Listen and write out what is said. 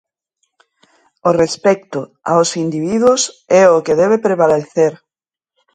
O respecto aos individuos é o que debe prevalecer.